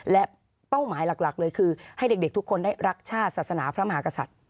และเป้าหมายหลักเลยคือให้เด็กทุกคนได้รักชาติศาสนาพระมหากษัตริย์